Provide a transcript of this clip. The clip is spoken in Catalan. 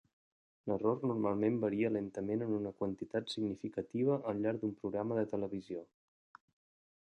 L'error normalment varia lentament en una quantitat significativa al llarg d'un programa de televisió.